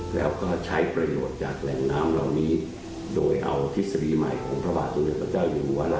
แล้วก็ใช้ประโยชน์จากแหล่งน้ำเหล่านี้โดยเอาทฤษฎีใหม่ของพระบาทสมเด็จพระเจ้าอยู่หัวเรา